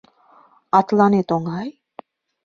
А тыланет оҥай?